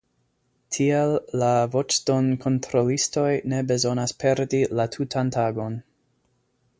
Tiel la voĉdonkontrolistoj ne bezonas perdi la tutan tagon.